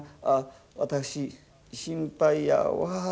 ああ私心配やわ」。